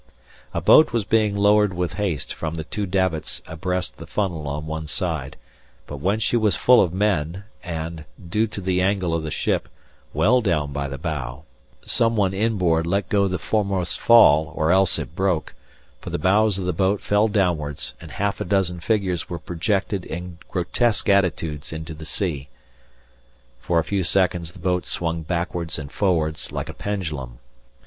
A boat was being lowered with haste from the two davits abreast the funnel on one side, but when she was full of men and, due to the angle of the ship, well down by the bow, someone inboard let go the foremost fall or else it broke, for the bows of the boat fell downwards and half a dozen figures were projected in grotesque attitudes into the sea. For a few seconds the boat swung backwards and forwards, like a pendulum.